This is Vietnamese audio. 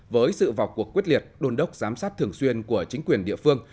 với sự vào cuộc quyết liệt đồn đốc giám sát thường xuyên của chính quyền địa phương